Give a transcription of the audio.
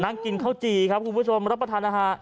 นางกินข้าวจี้ค่ะคุณผู้ชมรับประทานนะฮะ